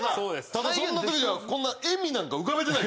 ただそんな時にはこんな笑みなんか浮かべてない。